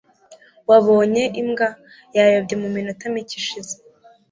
wabonye imbwa? yayobye mu minota mike ishize